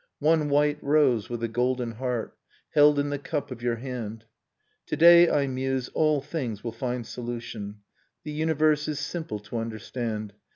One white rose with a golden heart — Held in the cup of your hand — To day, I muse, all things will find solution, The universe is simple to understand.